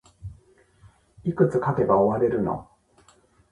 いくつ書けば終われるの